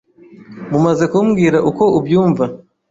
Mumaze kumbwira uko ubyumva.